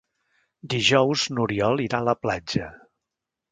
Dijous n'Oriol irà a la platja.